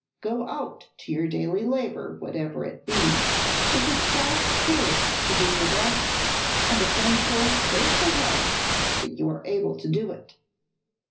Go out to your daily labor, whatever it be, with a stout spirit to do your best, and a thankful, grateful heart that you are able to do it.